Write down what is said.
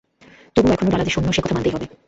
তবুও এখনো ডালা যে শূন্য সে কথা মানতেই হবে।